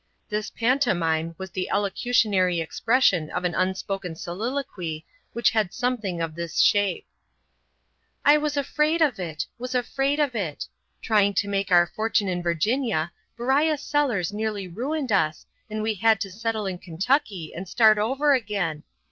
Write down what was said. This pantomime was the elocutionary expression of an unspoken soliloquy which had something of this shape: "I was afraid of it was afraid of it. Trying to make our fortune in Virginia, Beriah Sellers nearly ruined us and we had to settle in Kentucky and start over again.